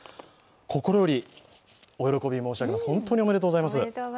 心よりお喜び申し上げます。